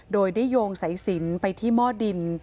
โดยได้โยงสายสินไปที่หม้อดิน